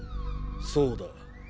そうだ。